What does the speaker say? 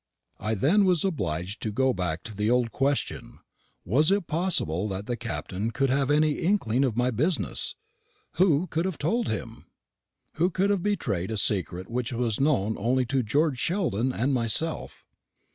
And then I was obliged to go back to the old question, Was it possible that the Captain could have any inkling of my business? Who could have told him? Who could have betrayed a secret which was known only to George Sheldon and myself?